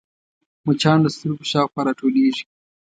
مچان د سترګو شاوخوا راټولېږي